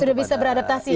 sudah bisa beradaptasi ya